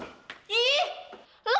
eh eh aduh